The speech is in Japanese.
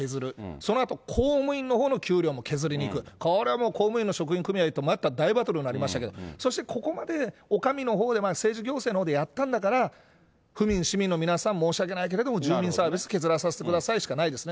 そのあと公務員のほうの給料も削りにいく、これはもう公務員の職員組合とまた大バトルになりましたけど、そしてここまでお上のほうで、政治行政のほうでやったんだから、府民、市民の皆さん、申し訳ないけれども住民サービスのほう、削らさせてくださいしかないですね。